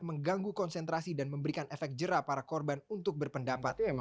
mengganggu konsentrasi dan memberikan efek jerah para korban untuk berpendapat